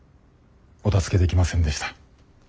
お助けできませんでした。